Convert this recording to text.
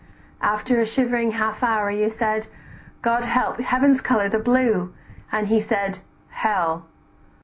"After a shivering half hour you said: 'God help! heaven's color, the blue;' and he said, 'hell.